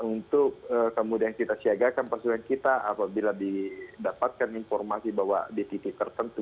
untuk kemudian kita siagakan persediaan kita apabila didapatkan informasi bahwa di titik tertentu